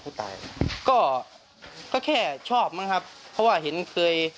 เพราะว่าเห็นเคย